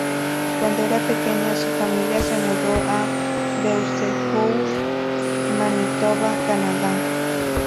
Cuando era pequeña su familia se mudó a Beausejour, Manitoba, Canadá.